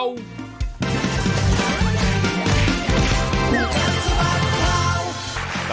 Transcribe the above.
กันทดสอบครับ